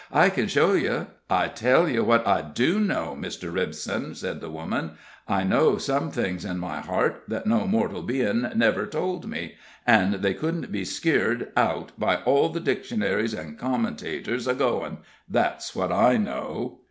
I can show ye " "I tell you what I do know, Mr. Ripson," said the woman; "I know some things in my heart that no mortal bein' never told me, an' they couldn't be skeered out by all the dictionaries an' commentators a goin; that's what I know."